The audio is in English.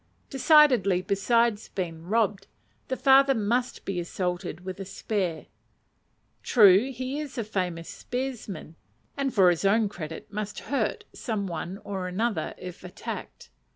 Decidedly, besides being robbed, the father must be assaulted with a spear. True, he is a famous spearsman, and for his own credit must "hurt" some one or another if attacked.